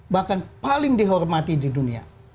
bahkan paling dihormati di dunia